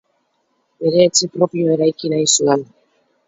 Bere etxe propioa eraiki nahi zuen.